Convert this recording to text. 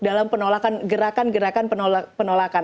dalam gerakan gerakan penolakan